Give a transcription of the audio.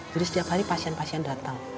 jadi setiap hari pasien pasien datang